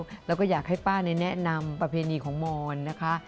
แล้วก็อยากให้ป้าแนะนำประเพณีของมอนนะคะ